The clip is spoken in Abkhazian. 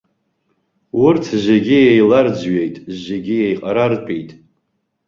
Урҭ зегьы еиларӡҩеит, зегьы еиҟарартәит.